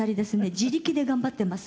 自力で頑張っています。